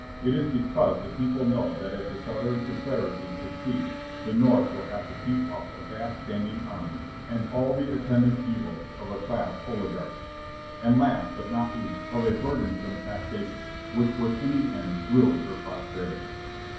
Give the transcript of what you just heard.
It is because the people know that if the Southern Confederacy suc ceeds the North will have to keep up a vast standing army and all the attendant evils of a class oligarchy; and last, but not least, of a burdensome taxation, which would in the end ruin her pros perity."